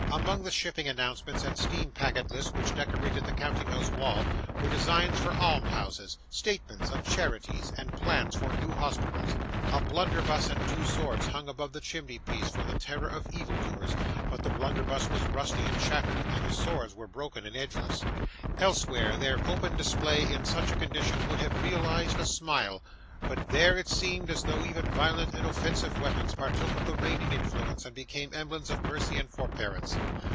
Among the shipping announcements and steam packet lists which decorated the counting house wall, were designs for almshouses, statements of charities, and plans for new hospitals. A blunderbuss and two swords hung above the chimney piece, for the terror of evil doers, but the blunderbuss was rusty and shattered, and the swords were broken and edgeless. Elsewhere, their open display in such a condition would have realised a smile; but, there, it seemed as though even violent and offensive weapons partook of the reigning influence, and became emblems of mercy and forbearance.